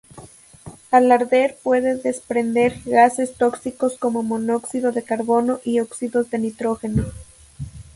Al arder puede desprender gases tóxicos como monóxido de carbono y óxidos de nitrógeno.